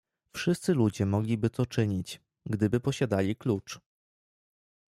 "„Wszyscy ludzie mogliby to czynić, gdyby posiadali klucz."